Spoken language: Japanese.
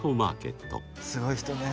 すごい人ね。